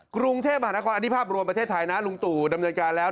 กรุงเทพมหานครอันนี้ภาพรวมประเทศไทยนะลุงตู่ดำเนินการแล้ว